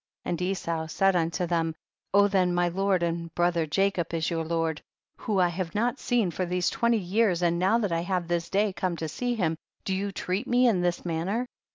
And Esau said unto them, O then, my lord and brother Jacob is your lord, whom I have not seen for these twen ty years, and now that I have this day come to see him, do you treat me in this manner